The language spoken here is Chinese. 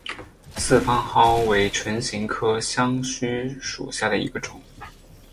四方蒿为唇形科香薷属下的一个种。